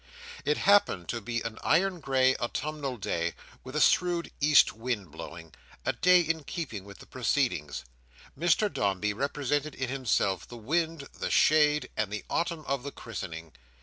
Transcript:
It happened to be an iron grey autumnal day, with a shrewd east wind blowing—a day in keeping with the proceedings. Mr Dombey represented in himself the wind, the shade, and the autumn of the christening.